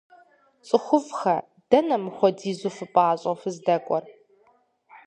ЦӀыхуфӀхэ, дэнэ мыпхуэдизу фыпӀащӀэу фыздэкӀуэр?